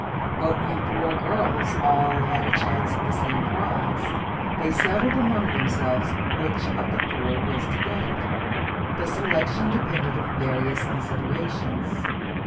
But when four girls all had a chance of the same prize, they settled among themselves which of the four was to get it. The selection depended on various considerations.